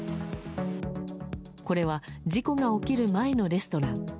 これは、事故が起きる前のレストラン。